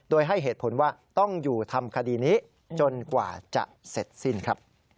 โดยให้เหตุผลว่าต้องอยู่ทำคดีนี้จนกว่าจะเสร็จสิ้นครับ